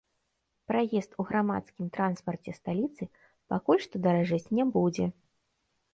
Праезд у грамадскім транспарце сталіцы пакуль што даражэць не будзе.